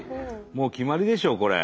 もう決まりでしょこれ。